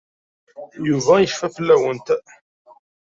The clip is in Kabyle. Yuba yecfa fell-awent.